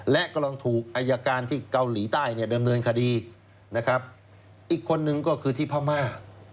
และกำลังถูกอายการที่เกาหลีใต้เนี่ยดำเนินคดีนะครับอีกคนนึงก็คือที่พม่า